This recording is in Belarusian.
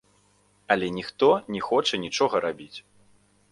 Але ніхто не хоча нічога рабіць.